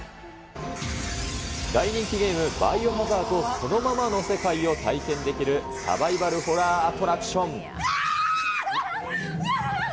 大人気ゲーム、バイオハザードそのままの世界を体験できるサバイバル・ホラー・ぎゃー！